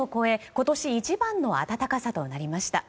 今年一番の暖かさとなりました。